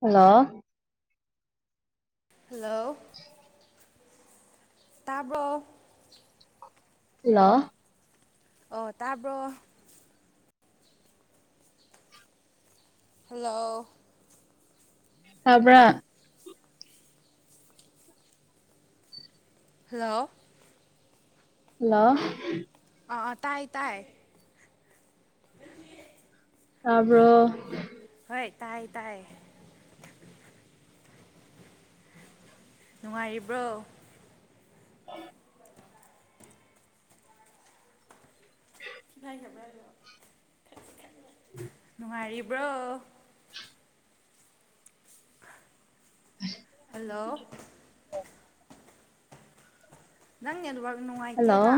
Hello hello ꯇꯥꯕꯥꯔ hello ꯑꯣ ꯇꯥꯕ꯭ꯔꯣ ꯍꯜꯂꯣ ꯐꯕ꯭ꯔꯥ ꯍꯜꯂꯣ ꯍꯜꯂꯣ ꯑ ꯇꯥꯏ ꯇꯥꯏ ꯐꯜꯦ ꯇꯥꯔꯕ ꯍꯣꯏ ꯇꯥꯏ ꯇꯥꯏꯌꯦ ꯅꯨꯡꯉꯥꯏꯔꯤꯕ꯭ꯔꯣ ꯎ ꯅꯨꯡꯉꯥꯏꯈꯕ꯭ꯔꯥ ꯅꯨꯡꯉꯥꯏꯔꯤꯕ꯭ꯔꯣ ꯍꯂꯣ ꯅꯪ ꯅꯠꯋꯥꯛ ꯍꯜꯂꯣ ꯅꯨꯡꯉꯥꯏꯇꯦꯗ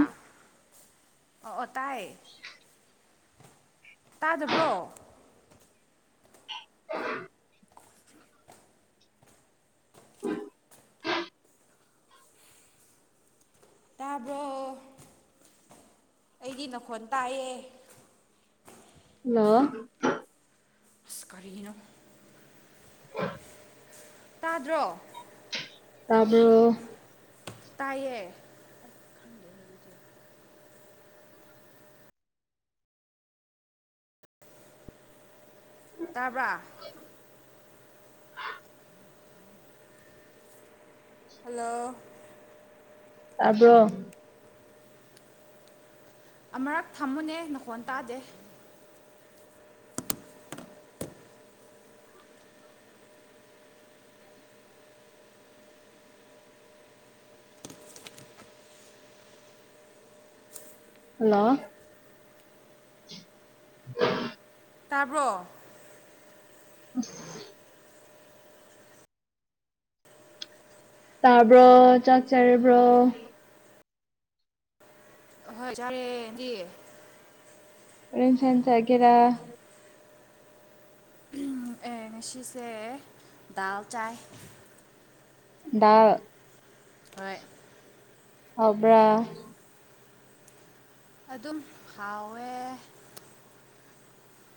ꯑꯣ ꯑꯣ ꯇꯥꯏ ꯇꯥꯗꯕ꯭ꯔꯣ [unintelligible] ꯎ ꯇꯥꯕ꯭ꯔꯣ ꯑꯩꯗꯤ ꯅꯈꯣꯟ ꯇꯥꯏꯌꯦ ꯍ ꯑꯁ ꯀꯔꯤꯅꯣ ꯎ ꯇꯥꯗ꯭ꯔꯣ ꯇꯥꯔꯕꯣ ꯇꯥꯏꯌꯦ ꯇꯥꯕ꯭ꯔ ꯍꯜꯂꯣ ꯇꯥꯕ꯭ꯔꯣ ꯑꯃꯨꯔꯛ ꯊꯝꯃꯨꯅꯦ ꯅꯈꯣꯟ ꯇꯥꯗꯦ ꯍꯜꯂꯣ ꯇꯥꯕ꯭ꯔꯣ ꯎꯝ ꯇꯥꯕ꯭ꯔꯣ ꯆꯥꯛ ꯆꯥꯔꯕ꯭ꯔꯣ ꯑꯍꯣꯏ ꯆꯥꯔꯦꯗꯤꯌꯦ ꯏꯟꯁꯥꯟꯁꯒꯦꯔ ꯎꯝ ꯑꯦ ꯉꯁꯤꯁꯦ ꯗꯥꯜ ꯆꯥꯏꯌꯦ ꯗ ꯍꯣꯏ ꯍꯕ꯭ꯔꯥ ꯑꯗꯨꯝ ꯍꯥꯎꯋꯦ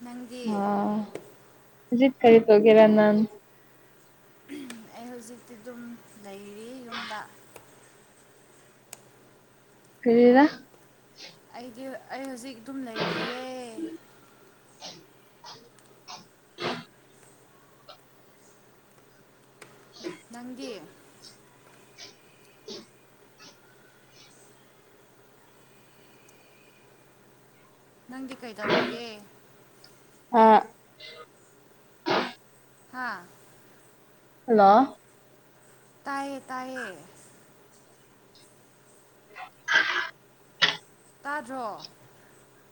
ꯅꯪꯗꯤ ꯑ ꯖꯤꯠ ꯀ ꯇꯒꯦꯔ ꯅ ꯑꯩ ꯍꯧꯖꯤꯛꯇꯤ ꯑꯗꯨꯝ ꯂꯩꯔꯤ ꯌꯨꯝꯗ꯫ ꯀꯔꯤꯗ ꯑꯩꯗꯤ ꯑꯩ ꯍꯧꯖꯤꯛ ꯑꯗꯨꯝ ꯂꯩꯔꯤꯌꯦ [unintelligible] ꯅꯪꯒꯤ ꯅꯪꯗꯤ ꯀꯩꯗꯧꯔꯤꯒꯦ ꯑ ꯍꯥꯥ ꯍꯜꯂꯣ ꯇꯥꯏꯌꯦ ꯇꯥꯏꯌꯦ ꯇꯥꯗ꯭ꯔꯣ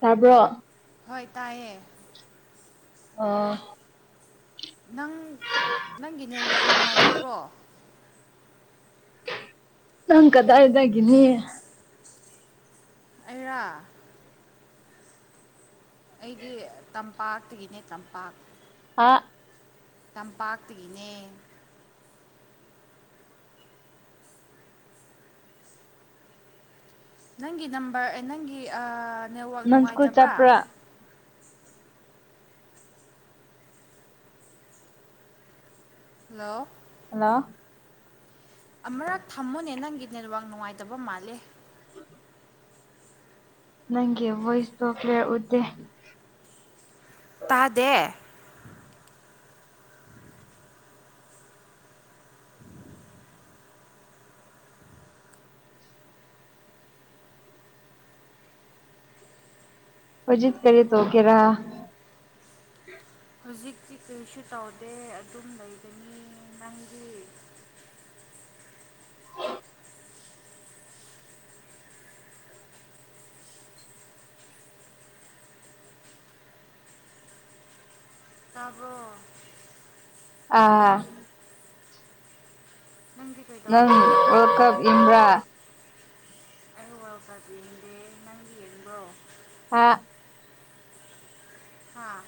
ꯇꯥꯕ꯭ꯔꯣ ꯍꯣꯏ ꯇꯥꯏꯌꯦ ꯑ ꯅꯪ ꯅꯪꯒꯤ ꯅꯦꯠꯋꯥꯛ ꯅꯨꯡꯉꯥꯏ ꯇꯕ꯭ꯔꯣ꯫ ꯅꯪ ꯀꯗꯥ ꯍꯥꯏꯗꯒꯦꯅꯤ ꯑꯩꯔꯣ ꯑꯩꯒꯤ ꯇꯝꯄꯥꯛꯇꯒꯤꯅꯦ ꯇꯝꯄꯥꯛ ꯑꯥ ꯇꯝꯄꯥꯛꯇꯒꯤꯅꯦ ꯅꯪꯒꯤ ꯅꯝꯕꯔ ꯑꯦ ꯅꯪꯒꯤ ꯅꯦꯠꯋꯥꯛ ꯅꯪ ꯁ꯭ꯀꯨꯜ ꯅꯨꯡꯉꯥꯏꯇꯕ꯭ꯔꯥ ꯆꯠꯄ꯭ꯔꯥ ꯍꯜꯂꯣ ꯍꯜꯂꯣ ꯑꯃꯨꯔꯛ ꯊꯝꯃꯨꯅꯦ ꯅꯪꯒꯤ ꯅꯦꯠꯋꯥꯛ ꯅꯨꯡꯉꯥꯏꯇꯕ ꯃꯥꯜꯂꯦ ꯅꯪꯦ ꯋꯥꯣꯏꯁ ꯇꯂꯤꯌꯥꯎꯗꯦ ꯇꯥꯗꯦ ꯍꯧꯖꯤꯠ ꯀꯔꯤ ꯇꯧꯒꯦꯔ ꯍꯧꯖꯤꯛꯇꯤ ꯀꯔꯤꯁꯨ ꯇꯧꯗꯦ ꯑꯗꯨꯝ ꯂꯩꯒꯅꯤ ꯅꯪꯒꯤ ꯇꯥꯕ꯭ꯔꯣ ꯑꯥ ꯈꯪꯗꯦ ꯃꯝ ꯋꯥꯔꯜ ꯀꯞ ꯏꯟ꯭ꯔꯥ ꯑꯩ ꯋꯥꯔ ꯀ ꯌꯦꯡꯗꯦ ꯅꯪꯗꯤ ꯌꯦꯡꯕꯣ ꯑꯥ ꯍꯥꯥ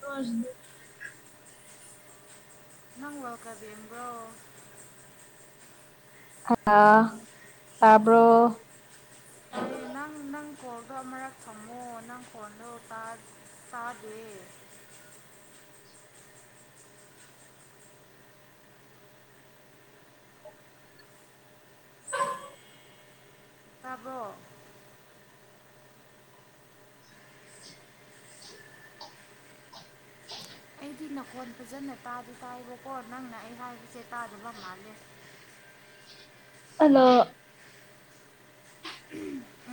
ꯀ [inaudible] ꯅꯪꯂꯣ ꯀꯥꯕꯤꯕꯣ ꯍꯥ ꯇꯄꯔꯣ ꯇꯥꯏꯌꯦ ꯅꯪ ꯅꯪ ꯐꯣꯟꯗꯣ ꯑꯃꯔꯛ ꯊꯝꯃꯣ ꯅꯪ ꯐꯣꯟꯗꯣ ꯇꯥ ꯇꯗꯦꯌꯦ ꯇꯥꯕꯔꯣ ꯑꯩꯗꯤ ꯅꯈꯣꯟ ꯐꯖꯅ ꯇꯥꯗꯨ ꯇꯥꯏꯕꯀꯣ ꯅꯪꯅ ꯑꯩ ꯍꯥꯏꯕꯁꯦ ꯇꯥꯗꯕ ꯃꯥꯜꯂꯦ ꯍꯜꯂꯣ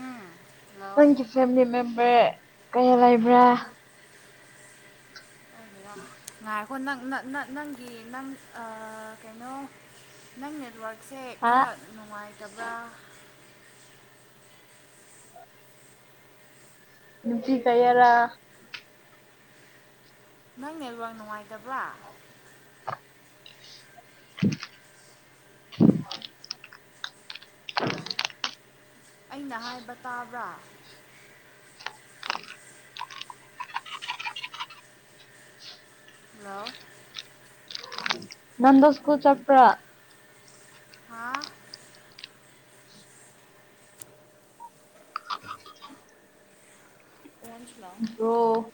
ꯎꯝ ꯍꯜꯂꯣ ꯅꯪꯒꯤ ꯐꯦꯃꯤꯂꯤ ꯃꯦꯝꯕꯔ ꯀꯌꯥ ꯂꯩꯕ꯭ꯔꯥ ꯉ [inaudible] ꯑꯣ ꯅꯪ ꯅꯪꯒꯤ ꯅꯪ ꯀꯩꯅꯣ ꯅꯪ ꯅꯦꯠꯋꯥꯔꯛ ꯁꯦ ꯍꯥ ꯈꯔ ꯅꯨꯡꯉꯥꯏꯇꯕ꯭ꯔꯥ ꯅꯨꯄꯤ ꯀꯌꯥ ꯔꯥ ꯅꯪ ꯅꯜꯋꯥꯡ ꯅꯨꯡꯉꯥꯏꯇꯕ꯭ꯔꯥ ꯎꯝ [unintelligible] [unintelligible] ꯑꯩꯅ ꯍꯥꯏꯕ ꯇꯥꯕ꯭ꯔꯥ ꯍꯜꯂꯣ ꯅꯟꯗꯣꯁꯀꯨ ꯆꯄ꯭ꯔ ꯍꯥꯥ ꯑꯣꯟꯁꯂꯥꯛ [inaudible] ꯔꯣ